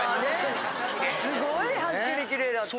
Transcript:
すごいハッキリきれいだった。